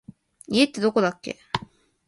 家ってどこだっけ